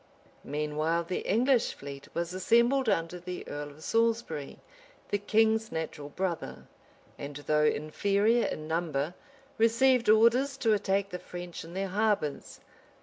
] Meanwhile the English fleet was assembled under the earl of Saltsbury, the king's natural brother; and, though inferior in number, received orders to attack the French in their harbors.